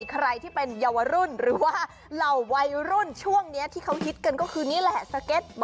ใครที่เป็นเยาวรุ่นหรือว่าเหล่าวัยรุ่นช่วงนี้ที่เขาฮิตกันก็คือนี่แหละสเก็ต